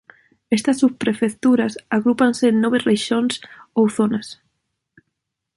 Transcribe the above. Estas subprefecturas agrúpanse en nove rexións ou zonas.